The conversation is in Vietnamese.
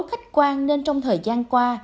khách quan nên trong thời gian qua